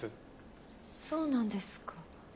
そうなんですか。